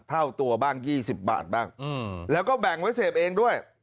เท่าตัวบ้าง๒๐บาทบ้างแล้วก็แบ่งไว้เสพเองด้วย